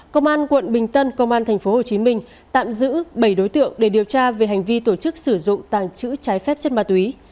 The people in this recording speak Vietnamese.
công an quận bình tân công an tp hcm tạm giữ bảy đối tượng để điều tra về hành vi tổ chức sử dụng tàng chữ trái phép chất ma túy